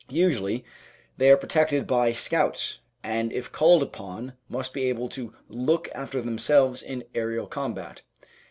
Usually they are protected by scouts, but if called upon must be able to look after themselves in aerial combat.